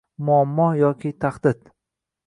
«Muammo yoki tahdid»